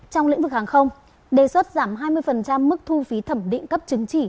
trong lĩnh vực hàng không đề xuất giảm hai mươi mức thu phí thẩm định cấp chứng chỉ